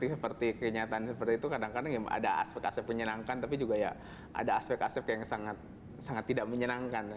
seperti kenyataan seperti itu kadang kadang ya ada aspek aspek menyenangkan tapi juga ya ada aspek aspek yang sangat tidak menyenangkan